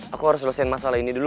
aku harus selesaikan masalah ini dulu